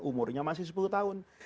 umurnya masih sepuluh tahun